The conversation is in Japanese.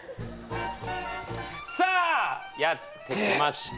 さあやってきました